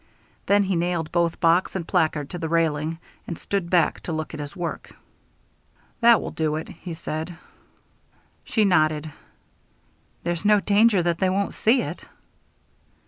Then he nailed both box and placard to the railing, and stood back to look at his work. "That will do it," he said. She nodded. "There's no danger that they won't see it."